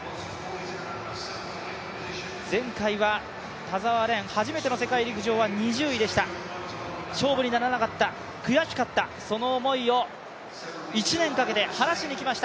前回は田澤廉、初めての世界陸上は２０位でした、勝負にならなかった、悔しかった、その思いを１年かけて晴らしに来ました、